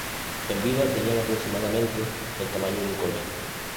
En vida tenían aproximadamente el tamaño de un coche.